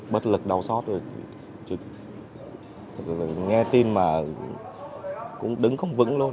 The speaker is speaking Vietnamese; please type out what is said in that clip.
bất lực đau sót rồi nghe tin mà cũng đứng không vững luôn